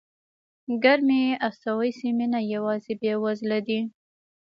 ګرمې استوایي سیمې نه یوازې بېوزله دي.